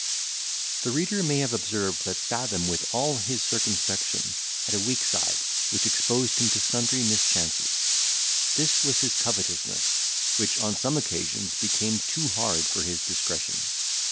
The reader may have observed, that Fathom, with all his circumspection, had a weak side, which exposed him to sundry mischances; this was his covetousness, which on some occasions became too hard for his discretion.